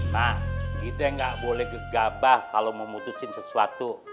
nah kita gak boleh gegabah kalo mau mutusin sesuatu